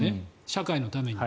社会のために。